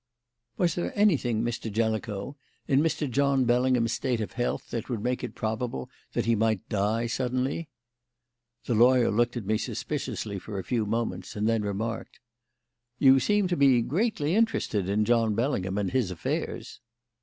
"Was there anything, Mr. Jellicoe, in Mr. John Bellingham's state of health that would make it probable that he might die suddenly?" The lawyer looked at me suspiciously for a few moments and then remarked: "You seem to be greatly interested in John Bellingham and his affairs."